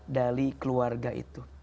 dari keluarga itu